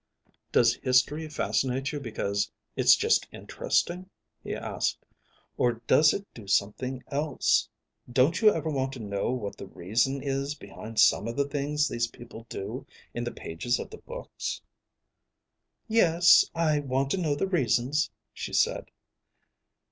"Does history fascinate you because it's just interesting?" he asked. "Or does it do something else? Don't you ever want to know what the reason is behind some of the things these people do in the pages of the books?" "Yes, I want to know the reasons," she said.